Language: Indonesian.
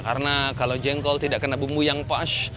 karena kalau jengkol tidak kena bumbu yang pas